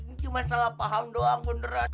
ini cuma salah paham doang beneran